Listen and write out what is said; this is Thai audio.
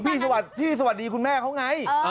พี่สวัสดีคุณแม่เขาไง